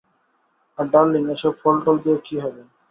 আর darling এসব ফল টল দিয়ে কি হবে?